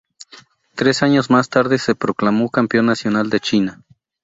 Tres años más tarde se proclamó Campeón Nacional de China.